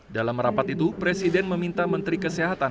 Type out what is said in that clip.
dalam rapat itu presiden meminta menteri kesehatan